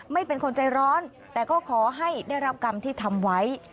เป็นคนใจร้อนแต่ก็ขอให้ได้รับกรรมที่ทำไว้